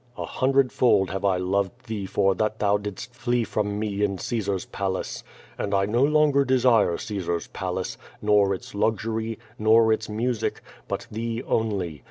A hundredfidd have I loved thee for that thou didst flee from me in Caesar's palace. And I no longer desire Caesar's palace, nor its luxury, nor its music, but thee only.